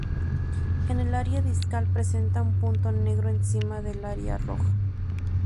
En el área discal presenta un punto negro encima del área roja.